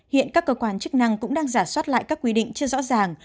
hiện các cơ quan chức năng cũng đang giả soát lại các quy định chưa rõ ràng